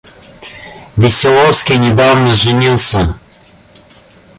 Веселовский недавно женился.